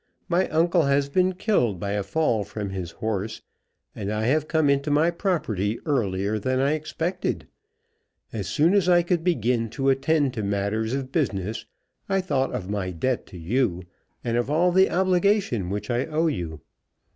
My uncle has been killed by a fall from his horse, and I have come into my property earlier than I expected. As soon as I could begin to attend to matters of business, I thought of my debt to you, and of all the obligation I owe you.